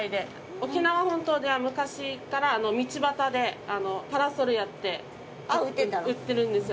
沖縄本島では、昔、行ったら道端でパラソルやって売ってるんですよ。